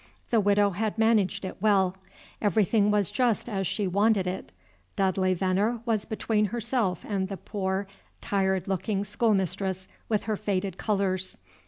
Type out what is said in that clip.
The Widow had managed it well; everything was just as she wanted it. Dudley Veneer was between herself and the poor tired looking schoolmistress with her faded colors.